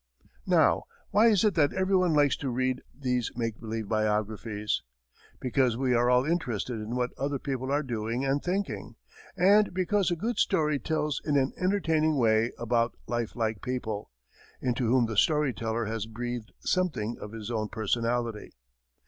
Now why is it that everyone likes to read these make believe biographies? Because we are all interested in what other people are doing and thinking, and because a good story tells in an entertaining way about life like people, into whom the story teller has breathed something of his own personality.